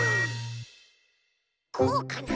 こうかな？